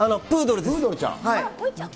プードルちゃん。